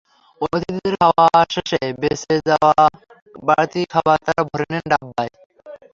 অতিথিদের খাওয়া শেষে বেঁচে যাওয়া বাড়তি খাবার তাঁরা ভরে নেন ডাব্বায়।